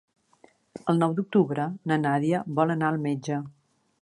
El nou d'octubre na Nàdia vol anar al metge.